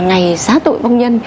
ngày xá tội vong nhân